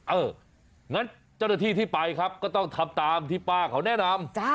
เอองั้นเจ้าหน้าที่ที่ไปครับก็ต้องทำตามที่ป้าเขาแนะนำ